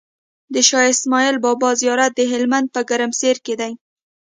د شاهاسماعيل بابا زيارت دهلمند په ګرمسير کی دی